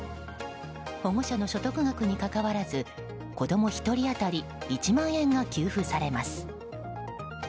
保護者の所得額に関わらず子供１人当たり１万円が給付されます。